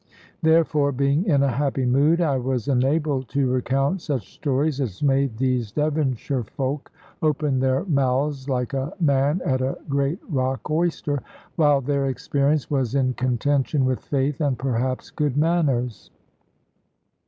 Therefore, being in a happy mood, I was enabled to recount such stories as made these Devonshire folk open their mouths like a man at a great rock oyster, while their experience was in contention with faith and perhaps good manners.